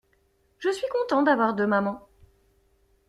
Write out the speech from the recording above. Je suis content d'avoir deux mamans.